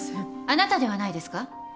あなたではないですか？